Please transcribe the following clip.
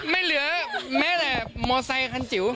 ไม่เหลือแม้แต่มอไซคันจิ๋ว